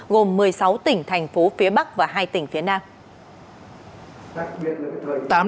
gồm một mươi sáu tỉnh thành phố phía bắc và hai tỉnh phía nam